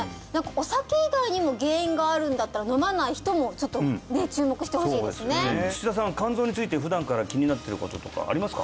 お酒以外にも原因があるんだったら飲まない人もちょっとね注目してほしいですね土田さんは肝臓について普段から気になってることとかありますか？